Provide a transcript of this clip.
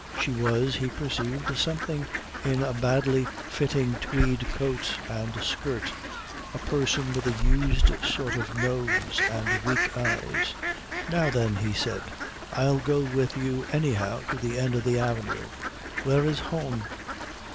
She was, he perceived, somebody in a badly fitting tweed coat and skirt, a person with a used sort of nose and weak eyes. "Now then," he said, "I'll go with you anyhow to the end of the avenue. Where is home?"